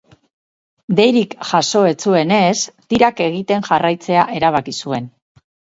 Deirik jaso ez zuenez, tirak egiten jarraitzea erabaki zuen.